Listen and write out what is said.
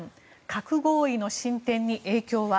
核合意の進展に影響は。